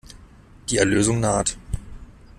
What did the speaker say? Die Erlösung naht.